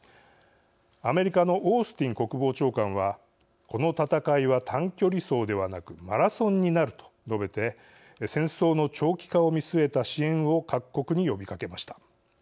アメリカのオースティン国防長官は「この戦いは短距離走ではなくマラソンになる」と述べて戦争の長期化を見据えた支援を各国に呼びかけました。